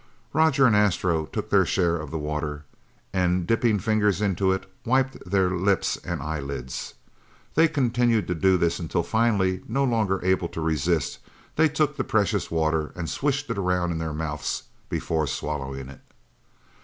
Roger and Astro took their share of the water and dipped fingers in it, wiping their lips and eyelids. They continued to do this until finally, no longer able to resist, they took the precious water and swished it around in their mouths before swallowing it.